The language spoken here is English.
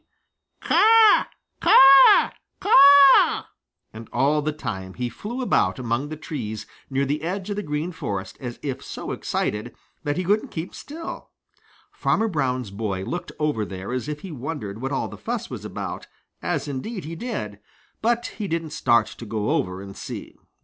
"Caw, caw, caw!" And all the time he flew about among the trees near the edge of the Green Forest as if so excited that he couldn't keep still. Farmer Brown's boy looked over there as if he wondered what all that fuss was about, as indeed he did, but he didn't start to go over and see.